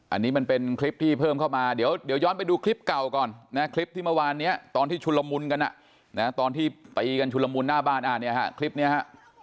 อันนี้มันเป็นคลิปที่เพิ่มเข้ามาเดี๋ยวย้อนไปดูคลิปเก่าก่อนนะคลิปที่เมื่อวานเนี่ยตอนที่ชุลมุนกันตอนที่ตีกันชุลมุนหน้าบ้านเนี่ยฮะคลิปนี้ฮะ